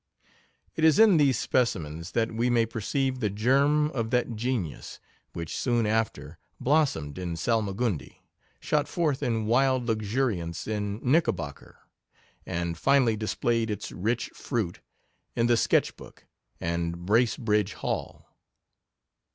It is in these specimens that we may per ceive the germ of that genius which soon af ter blossomed in Salmagundi, shot forth in wild luxuriance in Knickerbocker, and fi nally displayed its rich fruit in the Sketch Book, and Bracebridge Hall.